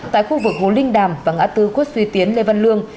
tại khu vực vũ linh đàm và ngã tư khuất suy tiến lê văn lương